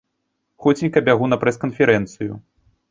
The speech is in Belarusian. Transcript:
Хуценька бягу на прэс-канферэнцыю.